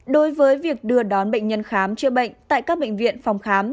đối với việc đưa đón bệnh nhân khám chữa bệnh tại các bệnh viện phòng khám